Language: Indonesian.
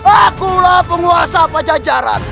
akulah penguasa pajajaran